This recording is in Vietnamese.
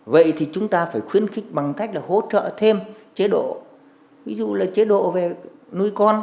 vậy thì chúng ta phải khuyến khích bằng cách là hỗ trợ thêm chế độ ví dụ là chế độ về nuôi con